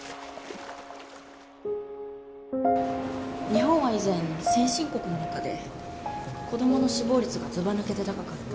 日本は以前先進国の中で子供の死亡率がずばぬけて高かった。